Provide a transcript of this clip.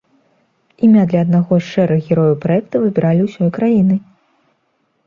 Імя для аднаго з шэрых герояў праекта выбіралі ўсёй краінай.